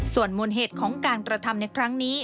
ส่วนมูลเหตุของการกระทำในครั้งนี้